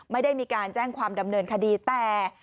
ไม่ได้มีการแจ้งความดำเนินคดีแต่